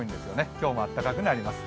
今日も暖かくなります。